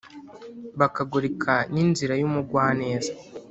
bakagoreka n’inzira y’umugwaneza